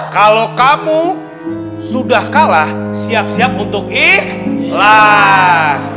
kalau kamu sudah kalah siap siap untuk ikhlas